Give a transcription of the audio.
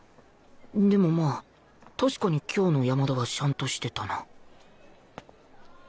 でもまあ確かに今日の山田はシャンとしてたな